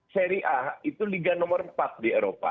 seri a itu liga nomor empat di eropa